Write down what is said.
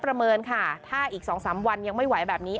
ประเมินค่ะถ้าอีก๒๓วันยังไม่ไหวแบบนี้